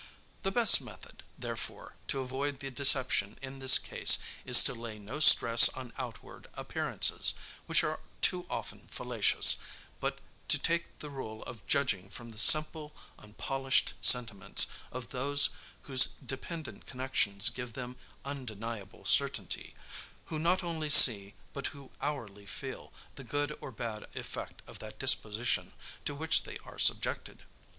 The best method, therefore, to avoid the deception in this case, is to lay no stress on outward appearances, which are too often fallacious, but to take the rule of judging from the simple unpolished sentiments of those whose dependent connections give them undeniable certainty; who not only see, but who hourly feel, the good or bad effect of that disposition, to which they are subjected.